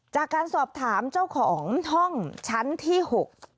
จากการสอบถามเจ้าของห้องชั้นที่หก